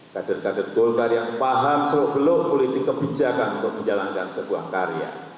kader kader golkar yang paham seluruh politik kebijakan untuk menjalankan sebuah karya